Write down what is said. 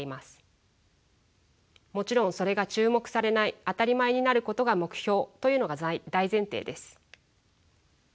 もちろんそれが注目されない当たり前になることが目標というのが大前提です。